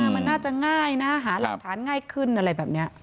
มันน่าจะง่ายนะหาหลักฐานง่ายขึ้นอะไรแบบนี้